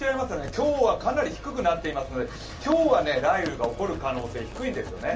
今日はかなり低くなっていますので今日は雷雨が起こる可能性は低いんですよね。